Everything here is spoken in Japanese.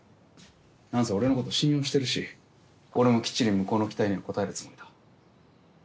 何せ俺のこと信用してるし俺もきっちり向こうの期待には応えるつもりだ。